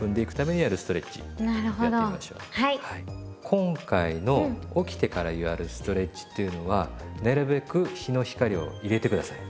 今回の起きてからやるストレッチっていうのはなるべく日の光を入れて下さい。